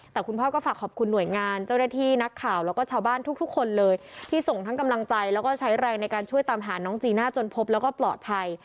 แต่คุณพ่อก็ฝากขอบคุณหน่วยงานเจ้าหน้าที่นักข่าวแล้วก็ชาวบ้านทุกคนเลยที่ส่งทั้งกำลังใจแล้วก็ใช้แรงในการช่วยตามหาน้องจีน่าจนพบแล้วก็ปลอดภัย